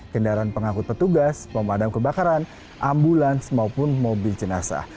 kendaraan pengangkut petugas pemadam kebakaran ambulans maupun mobil jenazah